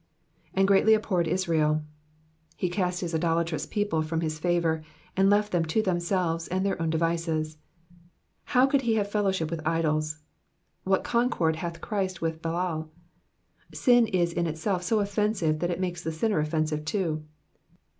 ^^And greatly abhorred IsraeV^ He cast his idolatrous people from his favour, and left them to themselves, and their own devices. How could he have fellowship with idols ? What concord hath Christ with Belial ? Sin is in itself so offensive that it makes the sinner offensive too.